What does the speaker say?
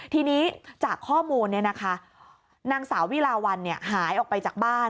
ทีนี้จากข้อมูลนางสาววิลาวันหายออกไปจากบ้าน